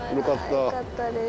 よかったです。